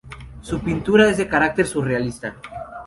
Su pintura es de carácter surrealista.